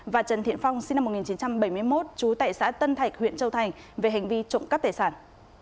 và trần thiện phong sinh năm một nghìn chín trăm bảy mươi một trú tại xã tân thạch huyện châu thành về hành vi trộm cắp tài sản